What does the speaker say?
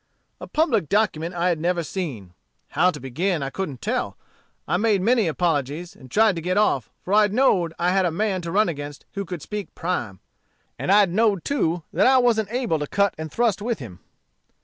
"A public document I had never seen. How to begin I couldn't tell. I made many apologies, and tried to get off, for I know'd I had a man to run against who could speak prime. And I know'd, too that I wasn't able to cut and thrust with him.